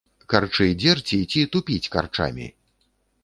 Карчы дзерці ці тупіць карчамі?